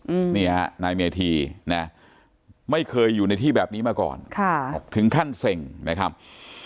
อืมนี่ฮะนายเมธีนะไม่เคยอยู่ในที่แบบนี้มาก่อนค่ะถึงขั้นเซ็งนะครับ